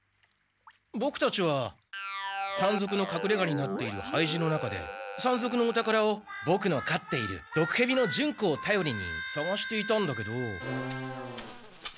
ボクたちは山賊のかくれがになっている廃寺の中で山賊のお宝をボクのかっているドクヘビのジュンコをたよりにさがしていたんだけど。